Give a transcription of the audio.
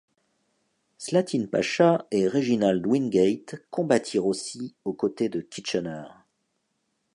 Slatin Pacha et Reginald Wingate combattirent aussi aux côtés de Kitchener.